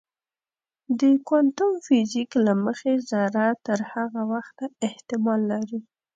د کوانتم فزیک له مخې ذره تر هغه وخته احتمال لري.